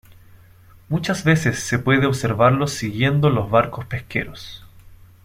Muchas veces se puede observarlos siguiendo los barcos pesqueros.